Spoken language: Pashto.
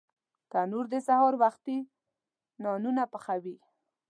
تنور د سهار وختي نانونه پخوي